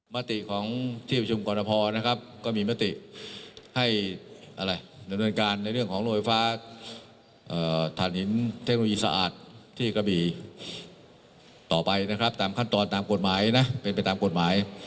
มติของที่วัชญการกอนโปรนะครับก็มีม้วนติให้